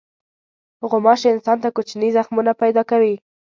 غوماشې انسان ته کوچني زخمونه پیدا کوي.